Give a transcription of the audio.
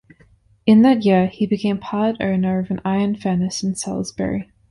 In that year, he became part owner of an iron furnace in Salisbury.